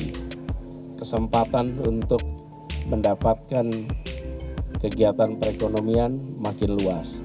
dan kesempatan untuk mendapatkan kegiatan perekonomian makin luas